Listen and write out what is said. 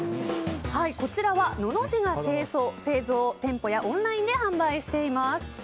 こちらはののじが製造店舗やオンラインで販売しています。